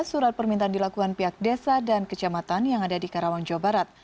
surat permintaan dilakukan pihak desa dan kecamatan yang ada di karawang jawa barat